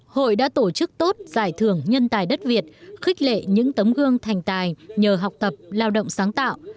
hội đã tổ chức tốt giải thưởng nhân tài đất việt khích lệ những tấm gương thành tài nhờ học tập lao động sáng tạo